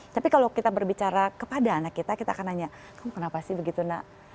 tapi kalau kita berbicara kepada anak kita kita akan nanya kamu kenapa sih begitu nak